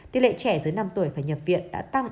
tỷ lệ trẻ dưới năm tuổi phải nhập viện đã tăng